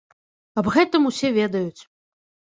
Аб гэтым усе ведаюць.